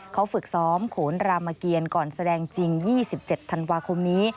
เขาฝึกซ้อมโขนรามเกียรก่อนแสดงจริง๒๗ธันวาคมนี้